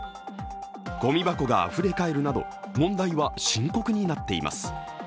ごみ箱があふれ返るなど問題は深刻になっています。